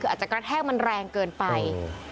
คืออาจจะกระแทกมันแรงเกินไป